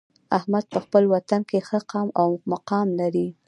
احمد په خپل وطن کې ښه قام او مقام لري.